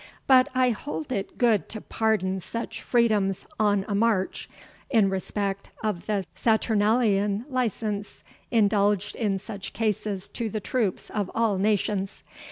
But I hold it good to pardon such freedoms on a march, in respect of the Saturnalian license indulged in such cases to the troops of all nations.